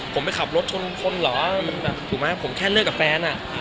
ผมไปขับรถชนคนเหรอถูกไหมผมแค่เลิกกับแฟนอ่ะ